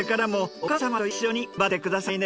お母様と一緒に頑張って下さいね！